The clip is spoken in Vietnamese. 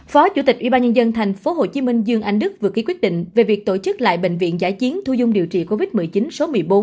phó chủ tịch ủy ban nhân dân tp hcm dương anh đức vừa ký quyết định về việc tổ chức lại bệnh viện giải chiến thu dung điều trị covid một mươi chín số một mươi bốn